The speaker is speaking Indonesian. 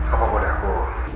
apa boleh aku